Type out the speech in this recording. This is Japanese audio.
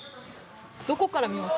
どこから見ます？